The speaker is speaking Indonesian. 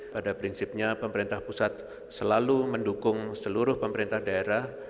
pada prinsipnya pemerintah pusat selalu mendukung seluruh pemerintah daerah